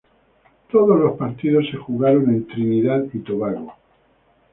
Todos los partidos se jugaron en Trinidad y Tobago.